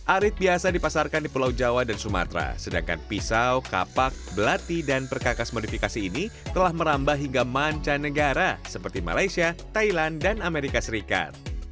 arit biasa dipasarkan di pulau jawa dan sumatera sedangkan pisau kapak belati dan perkakas modifikasi ini telah merambah hingga mancanegara seperti malaysia thailand dan amerika serikat